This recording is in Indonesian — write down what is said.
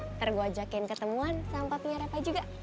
ntar gue ajakin ketemuan sama punya repa juga